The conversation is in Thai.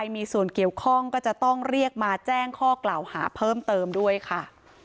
มีส่วนเกี่ยวข้องก็จะต้องเรียกมาแจ้งข้อกล่าวหาเพิ่มเติมด้วยค่ะ